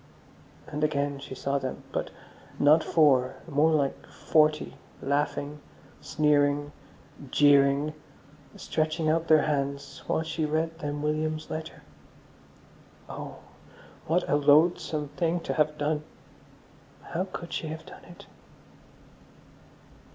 And again she saw them, but not four, more like forty, laughing, sneering, jeering, stretching out their hands while she read them William's letter. Oh, what a loathsome thing to have done. How could she have done it!